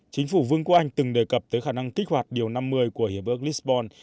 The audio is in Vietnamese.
chính phủ vương quốc anh từng đề cập tới khả năng kích hoạt điều năm mươi của hiệp ước lisbon